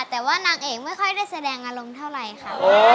แต่ว่านางเอกไม่ค่อยได้แสดงอารมณ์เท่าไหร่ค่ะ